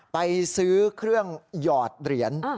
ไปซื้อเครื่องหยอดเหรียญ